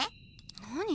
何？